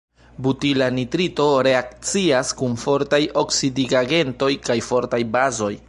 Butila nitrito reakcias kun fortaj oksidigagentoj kaj fortaj bazoj.